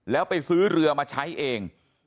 แล้วไปซื้อเรือมาใช้เอง